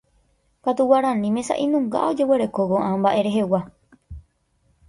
katu guaraníme sa'inunga ojeguereko ko'ã mba'e rehegua